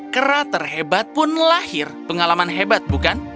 kera terhebat pun lahir pengalaman hebat bukan